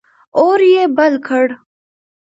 اور یې بل کړ.